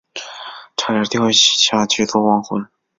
差点掉下去做亡魂